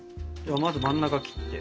まず真ん中切って。